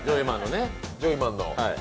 ジョイマンのね。